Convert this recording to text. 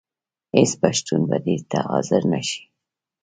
هېڅ پښتون به دې ته حاضر نه شي.